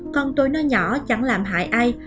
con tôi nó nhỏ chẳng làm hại ai